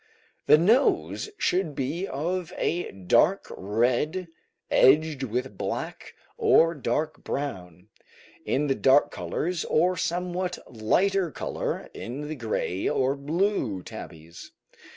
The nose should be of a dark red, edged with black or dark brown, in the dark colours, or somewhat lighter colour in the gray or blue tabbies.